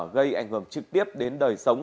gây ảnh hưởng trực tiếp đến đời sống